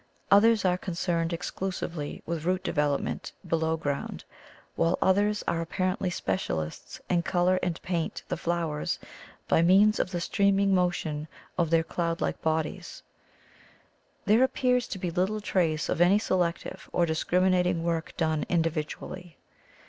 Others are concerned exclusively with root development below ground, while others are apparently specialists in colour and * paint' the flowers by means of the streaming mo 176 THE THEOSOPHIC VIEW OF FAIRIES tion of their cloud like bodies. There ap pears to be little trace of any selective or discriminating work done individually.